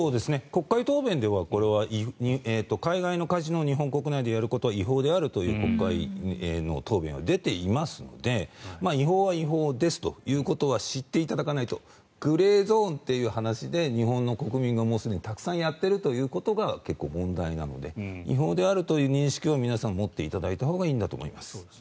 国会答弁では海外のカジノを日本国内でやることは違法であるという国会の答弁は出ていますので違法は違法ですということは知っていただかないとグレーゾーンという話で日本の国民がすでにたくさんやっているということが結構問題なので違法であるという認識を皆さん、持っていただいたほうがいいんだと思います。